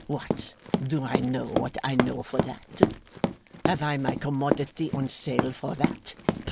What! Do I know what I know, for that? Have I my commodity on sale, for that?